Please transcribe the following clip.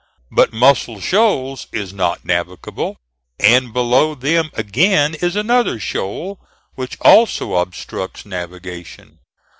But Muscle Shoals is not navigable, and below them again is another shoal which also obstructs navigation.